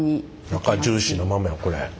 中ジューシーなままやこれ。